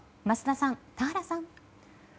桝田さん、田原さん。